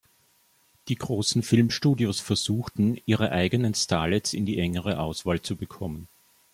Die großen Filmstudios versuchten, ihre eigenen Starlets in die engere Auswahl zu bekommen.